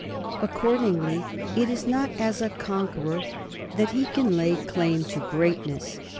Accordingly it is not as a conqueror but as a ruler that he can lay claim to greatness.